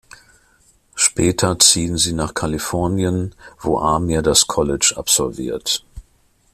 Später ziehen sie nach Kalifornien, wo Amir das College absolviert.